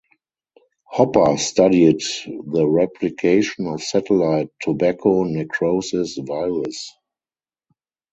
Hopper studied the replication of satellite tobacco necrosis virus.